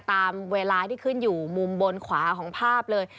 ตามเวลาที่ขึ้นอยู่มุมบนขวาของภาพเลย